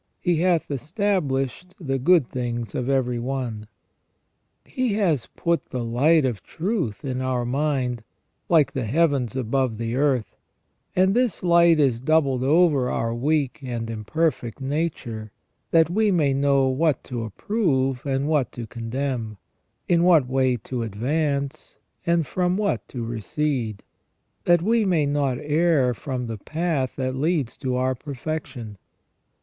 He hath established the good things of every one." He has put the light of truth in our mind, like the heavens above the earth, and this light is doubled over our weak and imperfect nature, that we may know what to approve and what to condemn, in what way to advance, and from what to recede, that we may not err from the path that leads to our perfection.